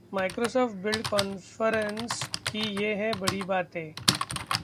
Microsoft Build conference की ये हैं बड़ी बातें